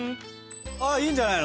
ああいいんじゃないの？